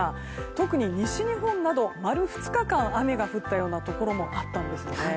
特に西日本など丸２日間雨が降ったようなところもあったんですね。